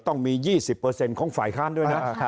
ต้องมี๒๐ของฝ่ายค้านด้วยนะ